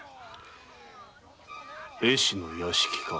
絵師の屋敷か。